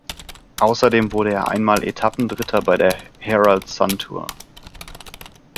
Außerdem wurde er einmal Etappendritter bei der Herald Sun Tour.